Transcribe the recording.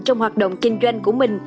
trong hoạt động kinh doanh của mình